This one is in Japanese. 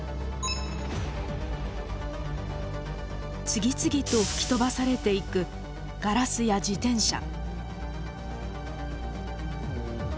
次々と吹き飛ばされていくガラスや自転車。